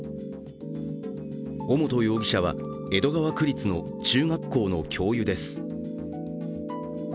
尾本容疑者は江戸川区立の中学校の教諭です。